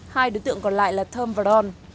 hai đối tượng còn lại là thơm và ron